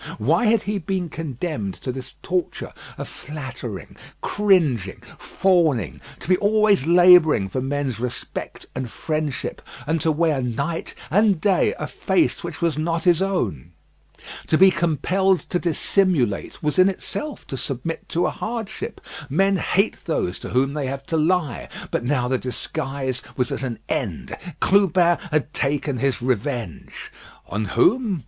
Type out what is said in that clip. Why had he been condemned to this torture of flattering, cringing, fawning; to be always labouring for men's respect and friendship, and to wear night and day a face which was not his own? To be compelled to dissimulate was in itself to submit to a hardship. Men hate those to whom they have to lie. But now the disguise was at an end. Clubin had taken his revenge. On whom?